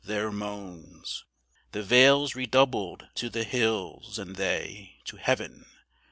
Their moansThe vales redoubled to the hills, and theyTo heaven.